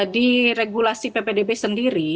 di regulasi ppdb sendiri